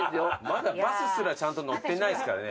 まだバスすらちゃんと乗ってないですからね。